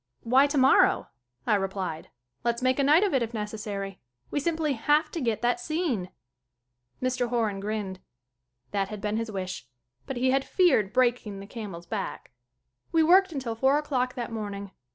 "Why tomorrow?" I replied. "Let's make a night of it if necessary. We simply have to get that scene." Mr. Horan grinned. That had been his wish. But he had feared breaking the camel's back. We worked until four o'clock that morning.